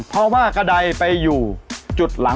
สวัสดีครับ